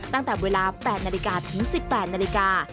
ตั้งแต่เวลา๘นาฬิกาถึง๑๘นาฬิกา